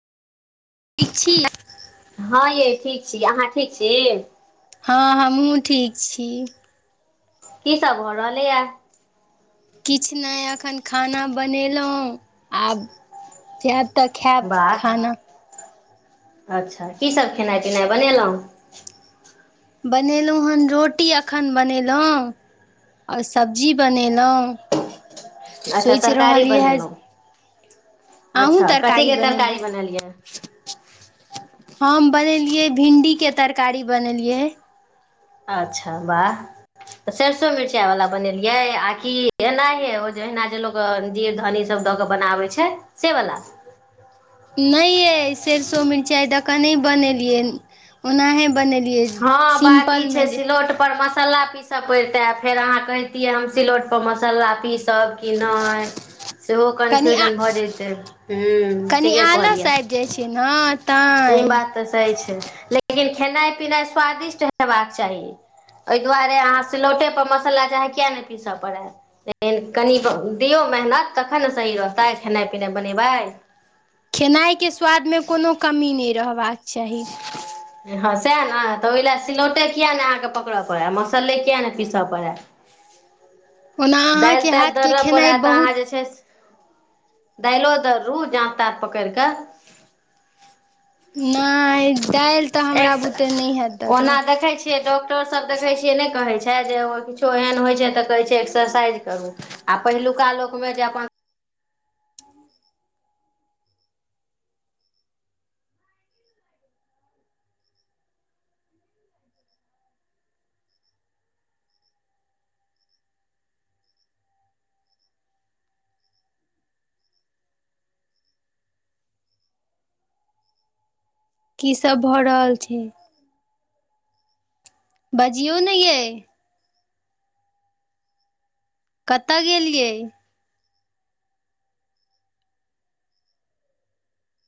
ठीक छी हँ यै ठीक छी अहाँ ठीक छी हँ हमहूँ ठीक छी कीसभ भऽ रहलैए किछु नहि एखन खाना बनेलहुँ आब तऽ खैब वाह खाना अच्छा कीसभ खेनाइ पिनाइ बनेलहुँ बनेलहुँ हन रोटी एखन बनेलहुँ आओर सब्जी बनेलहुँ अच्छा सोचि तरकारी रहलए बनेलहुँ अच्छा कथीके तरकारी बनेलियै हम बनेलियै भिंडी के तरकारी बनेलियै अच्छा वाह सरसो मिरचाई वाला बनेलियै आकी एना हे ओज जहिना जे लोकजीर धनीसभ दऽ कऽ बनाबै छै से बला नहि यइ सरसो मिर्चाइ दक नहि बनेलियै ओनाहे बनेलियै हँ बात ई छै सिम्पलमे जे सिलौट पर मस मसाला पीसय पड़ितै आ फेर अहाँ कहितियै हम सिलौटपर मसाला पीसब कि नहि सेहो कनि आ कन्फ्यूजन भऽ जेतै ह्म कनि थीके आलस कहलियै आबि जाइ छै ने तऽ ई तैं बात तऽ सही छै लेकिन खेनाइ पिनाइ स्वादिष्ट हेबाक चाही ओहि दुआरे अहाँ सिलौटे पर मसाला चाहे किया नहि पीसय पड़त लेकिन कनि दियौ मेहनत तखन ने सही रहतै खेनाइ पिनाइ बनेबै खेनाइके स्वादमे कोनो कमी नहि रहबाक चाही हँ सएह ने तऽ ओहि लए सिलौटे किएक नहि अहाँकेँ पकड़य पड़य मसाले किएक नहि पीसय पड़य ओना दालि अहाँके तालि हाथके दरय पड़य खेनाइ तऽ अहाँ बहुत जे छै दालो दरू जाँता पकड़ि कऽ नहि दालि तऽ हमरा एक बुते नहि हैत ओना दड़ल देखै डॉक्टर सब देखै छियै नहि कहै छै जे किछो एहन होइ छै तऽ कहै छै एक्सरसाइज करू आ पहिलुका लोकमे जे अपन की सब भऽ रहल छै बजियौ ने यै कतय गेलियै